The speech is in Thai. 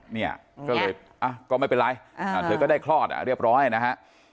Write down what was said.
เนี่ยก็เลยก็ไม่เป็นไรเธอก็ได้คลอดเรียบร้อยนะฮะ